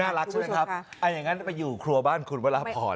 น่ารักใช่ไหมครับอ่าอย่างงั้นไปอยู่ครัวบ้านคุณเวลาผ่อน